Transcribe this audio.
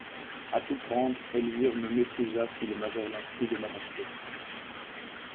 A tout prendre, Elvire me méprisera si le major l'instruit de ma lâcheté.